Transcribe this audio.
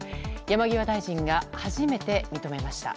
山際大臣が初めて認めました。